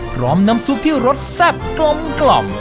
พร้อมน้ำซุปที่รสแซ่บกลม